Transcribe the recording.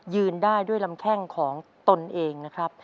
ยืนได้ด้วยลำแข้งของตนเองนะครับ